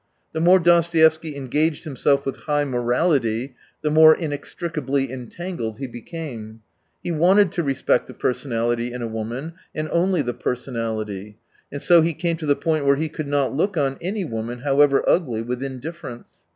The more Dostoevsky engaged himself with high morality, the more in extricably entangled he became. He wanted to respect the personality in a woman, and only the personality, and so he came to the point where he could not look on any woman, however ugly, with indifference.